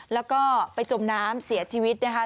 แล้วก็ไปจมน้ำเสียชีวิตนะคะ